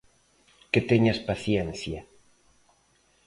Que teñas paciencia.